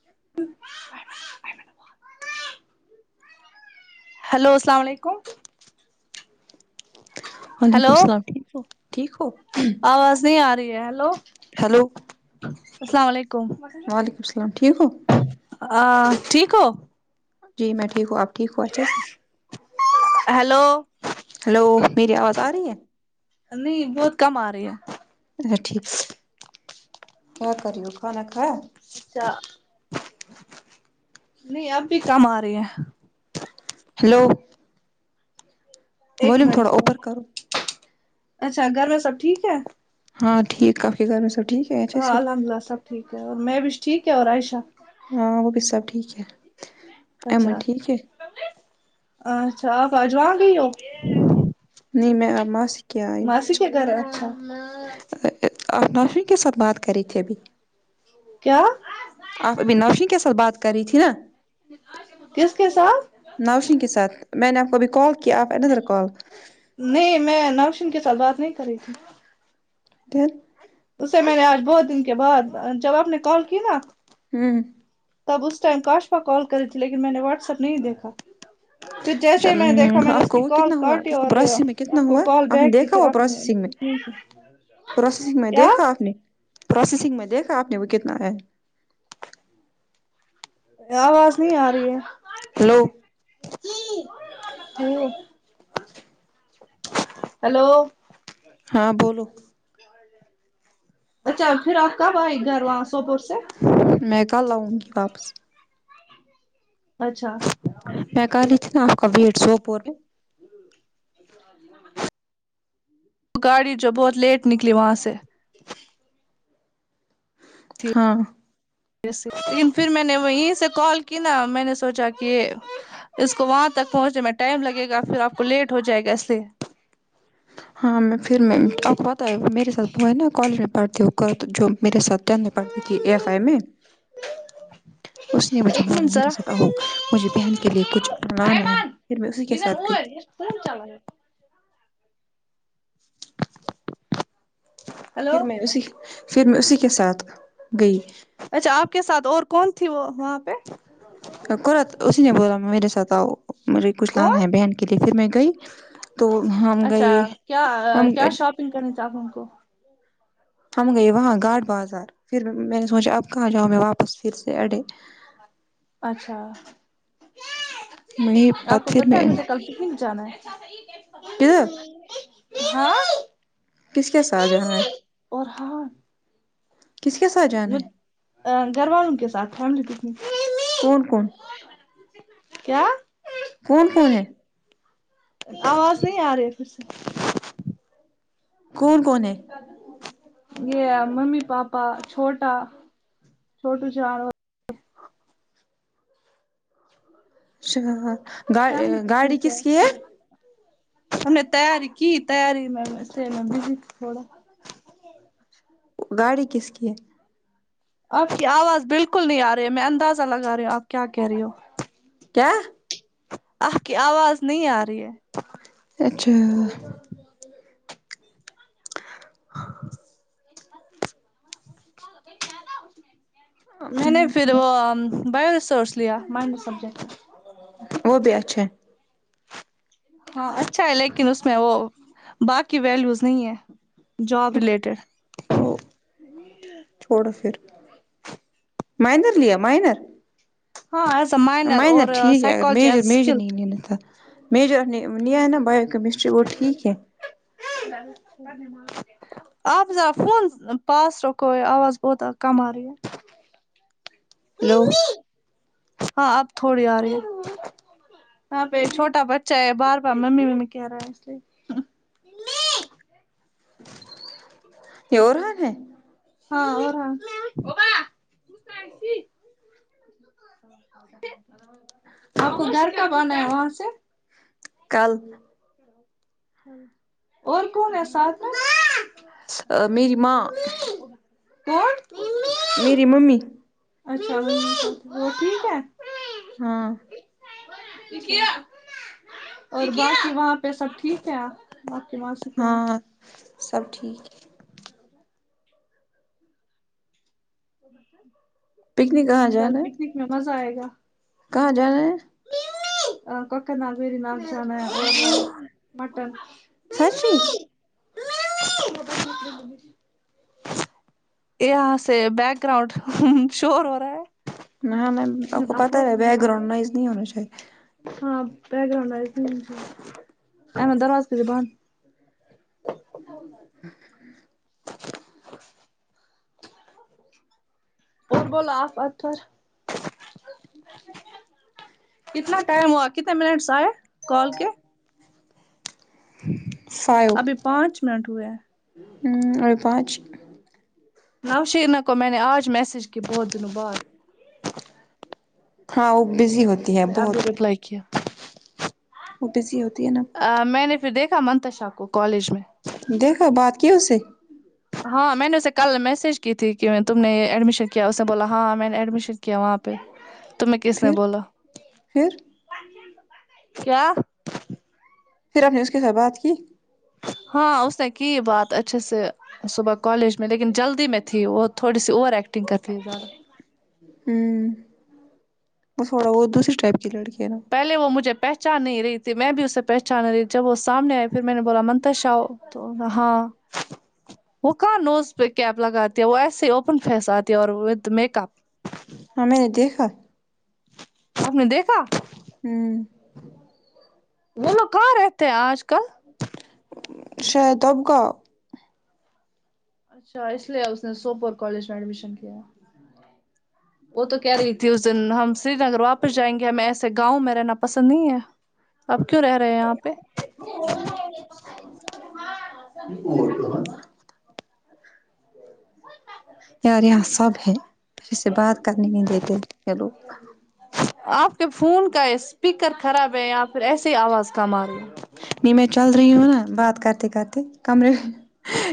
[unintelligible] Hello السلام علیکم وعلیکم ہیلو السلام ٹھیک ہو ٹھیک ہو آواز نہیں ارہی ہے ہیلو ہیلو السلام علیکم وعلیکم السلام ٹھیک ہو آ ٹھیک ہو جی میں ٹھیک ہوں آپ ٹھیک ہوں اچھے سے ہیلو ہلو میری آواز آ رہی ہے نہیں بہت کم آ رہی ہے ٹھیک کیا کر ری ھو کھانا کھایا اچھا نہیں اب بھی کم آ رہی ہیں ہلو ایک منٹ تھوڑا سے اوپر کرو اچھا گھر میں سب ٹھیک ہے ہاں ٹھیک آپ کے گھر میں سب ٹھیک ہے اچھے ہاں سے الحمد للہ سب ٹھیک ہے اور میں بھیش ٹھیک ہے اور عائشہ ہاں وہ بھی سب ٹھیک ہے ایمن اچھا ٹھیک ہے اچھا آپ اجواں گئی ہو نہیں میں آ ما س ماسی کی گھر اچھا آپ نوشین کے ساتھ بات کر رہی تھی ابھی کیا آپ ابھی نوشین کے ساتھ بات کر رہی تھی نا کس کے ساتھ نوشین کے ساتھ میں نے آپ کو ابھی کال کیا آپ انیرر کال نہیں میں نوشین کے ساتھ بات نہیں کر رہی تھی دن اس سے میں نے آج بہت دن کے بعد جب آپ نے کال کی نا ہوں تب اس ٹائم کاشفا کال کری تھی لیکن میں نے واٹس ایپ نہیں دیکھا پھر جیسے ہی میں نے دیکھا اچھا میں نے آپ اس کو کی وہ کال کتنا ہوا کاٹی اور پروسیسنگ میں کتنا آپ کو ہوا کال آپ نے بیک کی دیکھا پھر وہ آپ نے پروسیسنگ میں ٹیک پروسیسنگ میں دیکھا آپ نے پروسیسنگ میں دیکھا آپ نے وہ کتنا ہے آواز نہیں آ رہی ہے ہلو ہلو ہیلو ہاں بولو اچھا پھر آپ کب آئ گھر وہاں سوپور سے میں کل آؤ گی واپس اچھا میں کر رہی تھی نا آپ کا ویٹ سوپور میں [unintelligible] گاڑی جو بہت لیٹ نکلی وہاں سے ہاں لیکن پھر میں نے وہیں سے کال کی نا میں نے سوچا کہ اس کو وہاں تک پہنچنے میں ٹائم لگے گا پھر آپ کو لیٹ ہو جائے گا اس لیے ہاں میں پھر میں آپ کو پتا ہے میرے ساتھ وہ ہے نا کالج میں پڑھتی ہوں جو میرے ساتھ یننے پڑھتی ک ا ایف آئی میں اس نے مجھے ایک بولا منٹ میرے ذرا ساتھ آؤ مجھے بہن کے لیے کچھ لانا ہے پھر میں اسی کے ساتھ گئی چلا ہے ہلو پھر میں اسی پھر میں اسی کے ساتھ گئی اچھا آپ کے ساتھ اور کون تھی وہ وہاں پہ اسی نے بولا میرے ساتھ آؤ مجھے کچھ لانا کون ہے بہن کے لیے پھر میں گئی تو ہم گئے ہم تپن کرنی سبوں کو ہم گئے وہاں گاٹ بازار پھر میں نے سوچا اب کہاں جاؤ میں واپس پھر سے اڈے اچھا میں آپ پت کو پھر پتا میں ہے مجھے کل سکول جانا ہے ح [inaudible] کدھر ہاں کس کے ساتھ جانا ہے اور ہاں کس کے ساتھ جانا ہے گھر والوں کے ساتھ فیملی پکنک کون کون کیا کون کون ہے آواز نہیں آ رہی پھر سے کون کون ہے یہ ممی پاپا چھوٹا چھوٹو چاروں اچھا گ فیملی گاڑی پکنک کس کی ہے ہم نے تیاری کی تیاری میں سے میں بزی تھوڑا گاڑی کس کی ہے آپ کی آواز بالکل نہیں آ رہی ہے میں اندازہ لگا رہی ہوں آپ کیا کہہ رہی ہو کیا آپ کی آواز نہیں آ رہی ہے اچھا [inaudible] میں نے پھر وہ بیو ریسورس لیا منو سبجیکٹ وہ بھی اچھے ہاں اچھا ہے لیکن اس میں وہ باقی ویلیوز نہیں ہے جاب ریلیٹیڈ او چھوڑو پھر مائنر لیا مائنر ہاں ایسا ما مائنر ٹھیک ہے اگر میجر میجر نہیں لینا تھا میجر ن نہیں آیا نا بائیو کیمسٹری وہ ٹیک ہے [inaudible] آپ ذرا فون پاس رکھو آواز بہت کم آرہی ہے ہلو ہاں اب تھوڑی آ رہی ہیں یہاں پہ ایک چھوٹا بچہ ہے بار بار ممی ممی کہہ رہا ہے اس لیے کہ اورہان ہیں ہاں اورھان [inaudible] آپ کو گھر کب آنا ہے وہاں سے کل اور کون ہے ساتھ میں ا میری ماں اور ان میری ممی اچھا وہ ٹھیک ہے ہاں اور باقی وہاں پہ سب ٹھیک ہے آں باقی بس ہاں سب ٹھیک پکنک کہاں کل جانا ہے پکنک میں مزہ آئے گا کہاں جانا ہے ا کا اک نام پیر نام چانا ہے مٹن سچی [unintelligible] یہاں سے بیک گراؤنڈ شور ہو رہا ہے نہیں نہیں آپ کو پتہ ہے بیک گراؤنڈ وائز نہیں ہونا چاہیے ہاں بیک گراؤنڈ [unintelligible] درواز کے بانند ا ہاں اور بولو آپ اطہر کتنا ٹائم ہوا کتنے منٹس آئے کال کے ابھی پانچ منٹ ہوئے ہیں ہوں اور پانچ نوشینا کو میں نے آج میسیج کی بہت دنوں بعد ہاں وہ بزی ہوتی ہے نہیں ابی بہت رپلائی کیا وہ بزی ہوتی ہے نا ا میں نے پھر دیکھا منتشا کو کالج میں دیکھا بات کی اس سے ہاں میں نے اسے کل میسج کی تھی کہ تم نے ایڈمیشن کیا اس نے بولا ہاں میں نے ایڈمیشن کیا وہاں پہ تمہیں کس نے پھر بولا پھر کیا پھر آپ نے اس کے ساتھ بات کی ہاں اس نے کی بات اچھے سے صبح کالج میں لیکن جلدی میں تھی وہ تھوڑی سی اوور ایکٹنگ کر تھی زیادہ ہوں وہ تھوڑا وہ دوسرے ٹائپ کی لڑکی ہے نہ پہلے وہ مجھے پہچان نہیں رہی تھی میں بھی اسے پہچان نہیں رہی تھی جب وہ سامنے آئے پھر میں نے بولا منتشا اؤ تو نا ہاں وہ کہاں نوز پہ کیپ لگاتی ہے وہ ایسے ہی اوپن فیس آتی ہے اور وت میک اپ ہاں میں نے دیکھا آپ نے دیکھا ہوں وہ لوگ کہاں رہتے ہیں آج کل شاید اب گاؤں اچھا اس لیے اس نے سوپور کالج میں ایڈمیشن کیا وہ تو کہہ رہی تھی اس دن ہم سری نگر واپس جائیں گے ہمیں ایسے گاؤں میں رہنا پسند نہیں ہے اب کیوں رہ رہے یہاں پہ [unintelligible] [unintelligible] یار یہاں سب ہے اس سے بات کرنے نہیں دیتے یہ لوگ آپ کے فون کا اسپیکر خراب ہے یا پھر ایسے ہی آواز کم آ رہی ہے نہیں میں چل رہی ہوں نا بات کرتے کرتے کمرے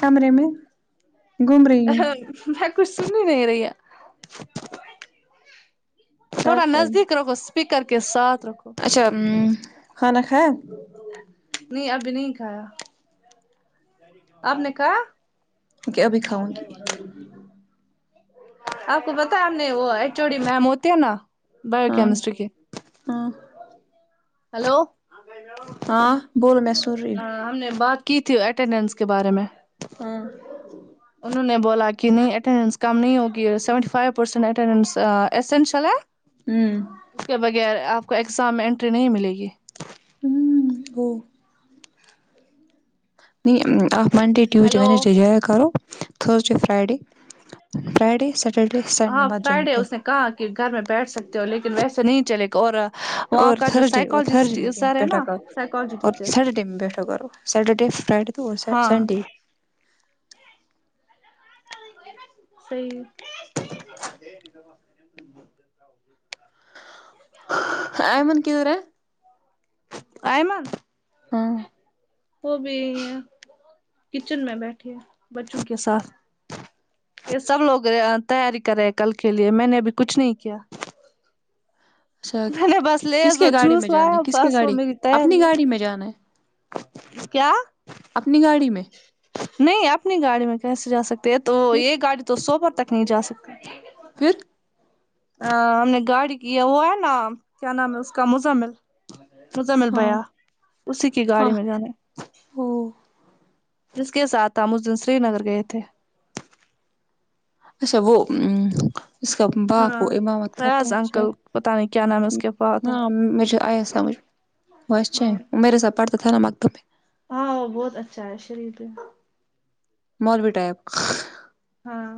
کمرے میں گھوم رہی ہوں میں کچھ سن ہی نہیں رہی کیا تھوڑا کریں نزدیک رکھو سپیکر کے ساتھ رکھو اچھا ہمم کھانا کھایا نہیں ابھی نہیں کھایا آپ نے کہا کیا ابھی کھاؤں گی آپ کو پتا ہے ہم نے وہ ایچ او ڈی میم ہوتی ہے نا بایو ہاں کیمسٹری کے ہاں ہلو ہاں بولو میں سن رہی ہوں ہم نے بات کی تھی اٹینڈنس کے بارے میں ہمم انہوں نے بولا کہ نہیں اٹینڈنس کم نہیں ہوگی seventy five percent attendance essential ہے ہوں اس کے بغیر آپ کو اگزام میں انٹری نہیں ملے گی ہمم گو آپ منڈے ٹوسڈے ہیلو وینسڈے جایا کرو Thursday Friday Friday Saturday Sunday مت جایا کرو کہاں کہ گھر میں بیٹھ سکتے ہو لیکن ویسے نہیں چلے گا اور وہاں اور کا جو تھرزڈے اور سائیکالوجسٹ تھرزڈے میں سر ہے بیٹھا نا کرو سائیکالوجی اور ٹیچر سٹرڈے میں بیٹھا کرو سٹرڈے فرائڈے تو ہاں سنڈی صحیح [unintelligible] عیمان کی ھو ہے ایمن ہاں وہ بھی کچن میں بیٹھی ہے بچوں کے ساتھ یہ سب لوگ تیاری کر رہے ہیں کل کے لیے میں نے ابھی کچھ نہیں کیا اچھا میں نے بس کس لیز کے اور گاڑی جوس میں جانا لایا ہے کس بس کی وہ گاڑی میری تیاری اپنی ہے گاڑی میں جانا ہے کیا اپنی گاڑی میں نہیں اپنی گاڑی میں کیسے جا سکتے ہیں تو پھر یہ گاڑی تو سوپر تک نہیں جا سکتی پھر آ ہم نے گاڑی کی ہے وہ ہے نا کیا نام ہے اس کا مزمل مزمل ہاں بھیا اسی کی ہاں گاڑی میں جانے او جس کے ساتھ ہم اس دن سری نگر گئے تھے اچھا وہ اس کا باپ ہاں وہ امامت کرتا فیاض ہے انکل پتہ نہیں کیا نام ہے اس کے پاس تھا ہاں مجھے آیا سمجھ وہ [unintelligible] اچھا ہے وہ میرے ساتھ پڑھتا تھا نا مکتب میں ہاں بہت اچھا ہے شریف ہے مالوی ٹائپ ہاں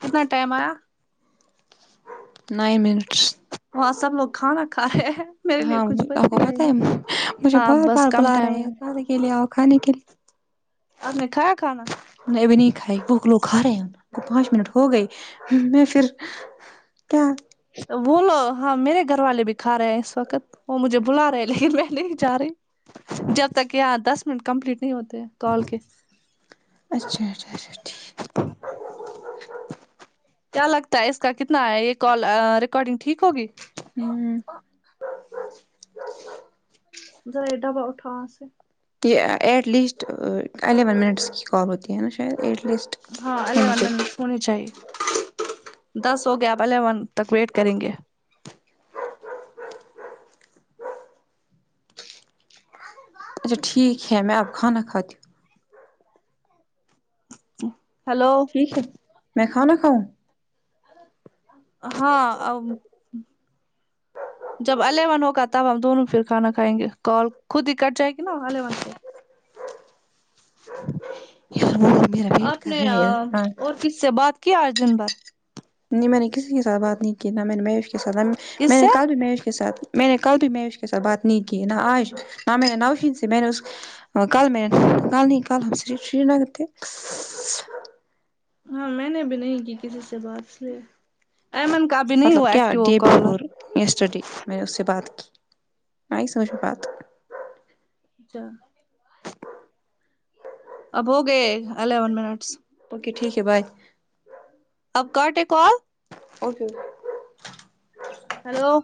کتنا ٹائم آیا نائن منٹس وہاں سب لوگ کھانا کھا رہے ہیں میرے لیے ہاں کچھ آپ کو بچے گئے پتآ ہے نہیں مجھے ہاں بار بس بار کم بلا رہے ٹائم ہیں ہے آپ اکیلے آو کھانے کے لیے آپ نے کھایا کھانا میں ابھی نہیں کھائی وہ لوگ کھا رہے ہیں کو پانچ منٹ ہو گئی میں پھر کیا وہ لو ہاں میرے گھر والے بھی کھا رہے ہیں اس وقت وہ مجھے بلا رہے ہیں لیکن میں نہیں جا رہی جب تک یہاں دس منٹ کمپلیٹ نہیں ہوتے کال کے اچھا اچھا اچھا ٹھیک کیا لگتا ہے اس کا کتنا ہے یہ کال آ ریکارڈنگ ٹھیک ہوگی ہوں ذرا ریٹ بہت ٹھاس سے کہ ایٹ لیسٹ الیون منٹس کی کال ہوتی ہے نا شاید ایٹ لیسٹ ہاں ہونی الیون ن چاہیے ن ہونی چاہیے دس ہو گیا آب الیون تک ویٹ کریں گے اچھا ٹھیک ہے میں اب کھانا کھاتی ہوں ہیلو ٹھیک ہے میں کھانا کھاؤں ہاں ا وہ جب الیون ہوگا تب ہم دونوں فر کھانا کھائیں گے کال خود ہی کٹ جائے گی نا الیون سے یار وہ میرا ویٹ آپ کر نے رہے ہیں ہاں اور کس سے بات کیا آج دن بھر نہیں میں نے کسی کے ساتھ بات نہیں کی میں نے مہیش کے ساتھ میں کس نے سے کل بھی مہیش کے ساتھ میں نے کل بھی مہیش کے ساتھ بات نہیں کی نہ آج نہ میں نے نوشین سے میں نے اس اور کل میں کل نہیں کل ہم شری نگر میں تھے ش۔ ش ہاں میں نے بھی نہیں کی کسی سے بات اس لیے ایمن کا بھی نہیں مطلب ہوا کیا ایکٹیو ہو ڈے کالر بفور یسٹرڈے میں نے اس سے بات کی آئی سمجھ میں بات اچھا اب ہوگے الیون منٹس اوکے ٹھیک ہے بائے اب کاٹے کال اوکے ہیلو